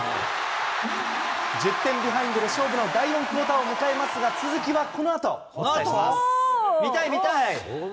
１０点ビハインドで勝負の第４クオーターを迎えますが、続きはこ見たい、見たい。